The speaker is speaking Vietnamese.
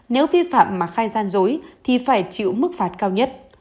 nếu vi phạm mà khai gian dối thì phải chịu mức phạt cao nhất